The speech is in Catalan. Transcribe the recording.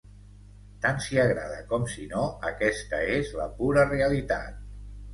Tant si agrada com si no, aquesta és la pura realitat.